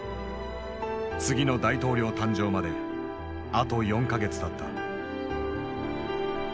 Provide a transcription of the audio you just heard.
次の大統領誕生まであと４か月だった。